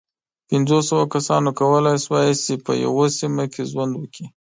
پينځو سوو کسانو کولی شول، چې په یوه سیمه کې ژوند وکړي.